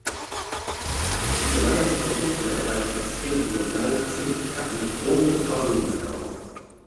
Die gelagerten Produkte weisen extrem hohe Blei-, Zink-, Kadmium-, Chrom- und Arsenwerte auf.